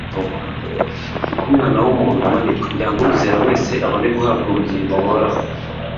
niko Umwana w'umuntu yamanitswe kugira ngo umwizera wese abone guhabwa ubugingo buhoraho.'°»